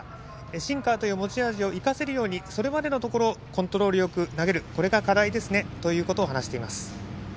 シンカーという持ち味を生かせるようにそれまでのところコントロールよく投げるこれが課題ですねということを話しています。